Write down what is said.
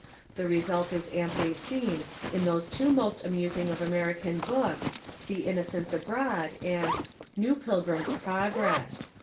The result is amply seen in those two most amusing of American books, The Innocents Abroad and the New Pil grims' Progress.